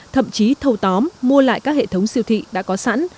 thậm chí thâu tóm mua lại các hệ thống siêu thị đã có sẵn